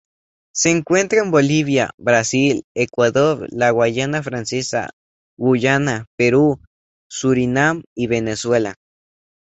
Se encuentra en Bolivia, Brasil, Ecuador, la Guayana francesa, Guyana, Perú, Surinam y Venezuela.